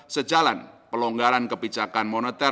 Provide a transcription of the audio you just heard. sejalan pelonggaran kebijakan moneter negara maju